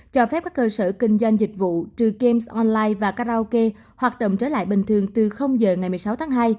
cho phép các cơ sở kinh doanh dịch vụ trừ game online và karaoke hoạt động trở lại bình thường từ giờ ngày một mươi sáu tháng hai